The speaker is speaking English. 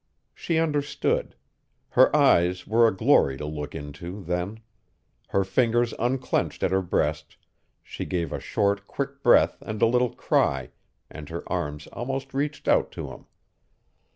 She understood. Her eyes were a glory to look into then. Her fingers unclenched at her breast, she gave a short, quick breath and a little cry and her arms almost reached out to him.